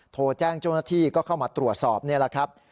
โทรแจ้งเจ้าหน้าที่ก็เข้ามาตรวจสอบนี่แหละครับ